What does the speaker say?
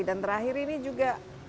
dan terakhir ini juga